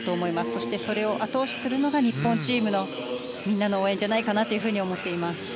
そしてそれを後押しするのが日本チームのみんなの応援だと思っています。